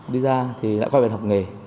đi ra thì lại quay về học nghề